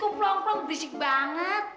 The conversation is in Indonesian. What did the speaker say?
kok plong plong berisik banget